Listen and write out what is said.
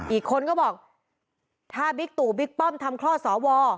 อีกคนก็บอกถ้าบิ๊กตู่บิ๊กป้อมทำคลอดสว